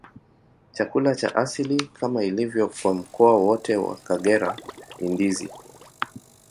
Chakula cha asili, kama ilivyo kwa mkoa wote wa Kagera, ni ndizi.